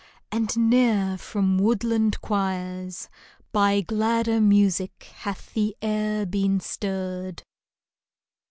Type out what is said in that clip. " and ne'er from woodland choirs By gladder music hath the air been stirred